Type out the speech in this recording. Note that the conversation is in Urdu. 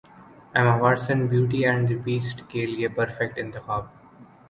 Emma Watson Beauty and the Beast کے لیے پرفیکٹ انتخاب